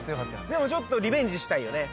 でもちょっとリベンジしたいよね